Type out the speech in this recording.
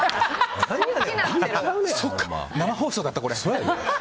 そっか生放送だった、これ。